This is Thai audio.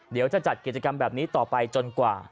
เดี๋ยวจะจัดกิจกรรมแบบนี้ต่อไปจนกว่า